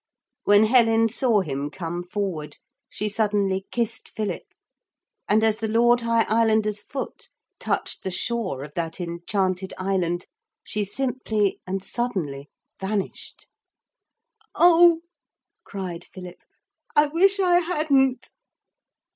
When Helen saw him come forward, she suddenly kissed Philip, and as the Lord High Islander's foot touched the shore of that enchanted island, she simply and suddenly vanished. 'Oh!' cried Philip, 'I wish I hadn't.'